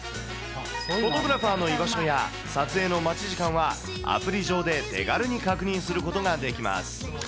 フォトグラファーの居場所や撮影の待ち時間は、アプリ上で手軽に確認することができます。